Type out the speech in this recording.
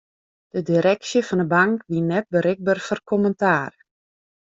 De direksje fan 'e bank wie net berikber foar kommentaar.